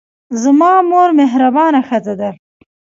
زما مور مهربانه ښځه ده.